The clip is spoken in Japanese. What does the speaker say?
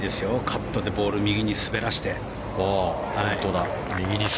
カットでボールを右に滑らせて。